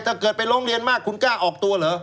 ถ้าเกิดไปร้องเรียนมากคุณกล้าออกตัวเหรอ